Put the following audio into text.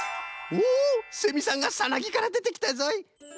おセミさんがサナギからでてきたぞい。